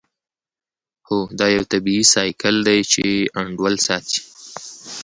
هو دا یو طبیعي سایکل دی چې انډول ساتي